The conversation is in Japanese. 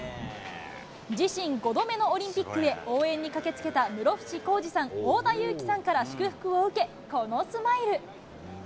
自身５度目のオリンピックへ、応援に駆けつけた、室伏広治さん、太田雄貴さんから祝福を受け、このスマイル。